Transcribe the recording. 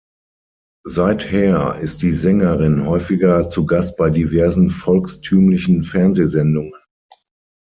Seither ist die Sängerin häufiger zu Gast bei diversen volkstümlichen Fernsehsendungen.